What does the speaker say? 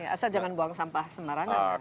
asal jangan buang sampah sembarangan